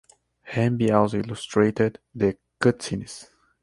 Hamby also illustrated the cutscenes.